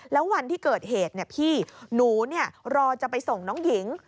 แล้ววันที่เกิดเหตุพี่หนูรอจะไปส่งน้องหญิง